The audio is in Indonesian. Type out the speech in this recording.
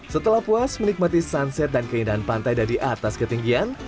setelah puas menikmati sunset dan keindahan pantai dari atas ketinggian